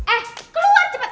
eh keluar cepet